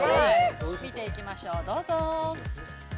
見ていきましょう、どうぞ。